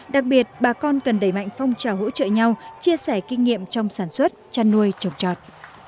đặc biệt bà con cần đẩy mạnh phong trào hỗ trợ nhau chia sẻ kinh nghiệm trong sản xuất chăn nuôi trồng trọt